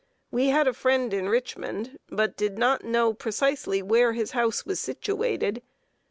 We had a friend in Richmond, but did not know precisely where his house was situated.